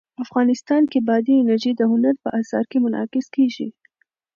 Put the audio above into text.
افغانستان کې بادي انرژي د هنر په اثار کې منعکس کېږي.